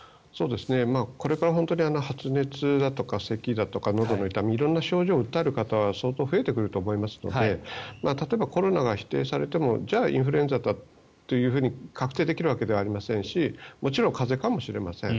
これから本当に発熱だとかせきだとかのどの痛み色んな症状を訴える方が相当増えてくると思いますので例えばコロナが否定されてもじゃあインフルエンザだと確定できるわけではありませんしもちろん風邪かもしれません。